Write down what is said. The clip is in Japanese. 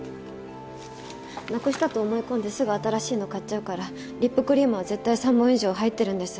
なくしたと思い込んですぐ新しいのを買っちゃうからリップクリームは絶対３本以上入ってるんです。